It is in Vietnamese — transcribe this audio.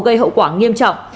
gây hậu quả nghiêm trọng